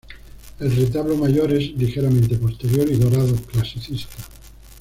El retablo mayor es ligeramente posterior y dorado, clasicista.